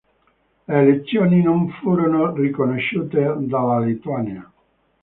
Le elezioni non furono riconosciute dalla Lituania.